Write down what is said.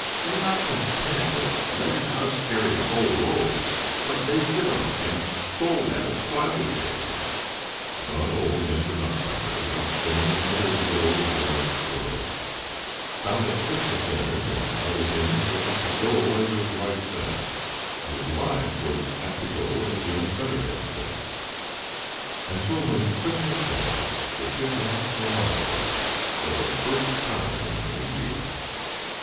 They are not content with letting us carry the whole load, but they sit on it, and scold at us while we carry them." But old Mr. Nutcracker, like many other good old gentlemen squirrels, found that Christmas dinners and other things were apt to go as his wife said, and his wife was apt to go as young Featherhead said; and so, when Christmas came, the Chipmunks were not invited, for the first time in many years.